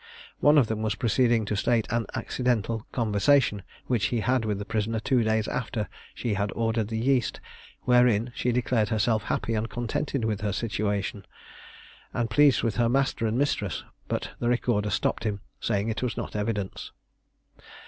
One of them was proceeding to state an accidental conversation which he had with the prisoner two days after she had ordered the yeast, wherein she declared herself happy and contented with her situation, and pleased with her master and mistress; but the recorder stopped him, saying it was not evidence.